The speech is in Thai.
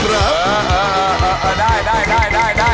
เออเออเออได้ได้ได้ได้ได้